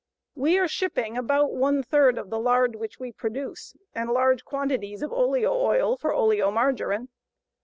We are shipping about one third of the lard which we produce, and large quantities of oleo oil for oleomargarine.